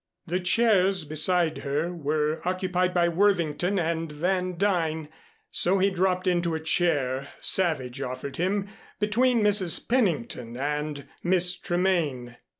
The chairs beside her were occupied by Worthington and Van Duyn, so he dropped into a chair Savage offered him between Mrs. Pennington and Miss Tremaine.